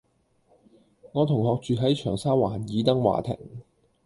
我同學住喺長沙灣爾登華庭